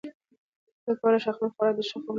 ته کولی شې خپل خوراک د ښه خوب لپاره بدل کړې.